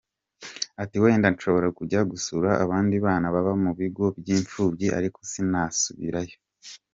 Ati “ Wenda nshobora kujya gusura abandi bana baba mu bigo by’imfubyi ariko sinasubirayo.